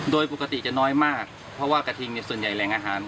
โดยปกติจะน้อยมากเพราะว่ากระทิงเนี่ยส่วนใหญ่แหล่งอาหาร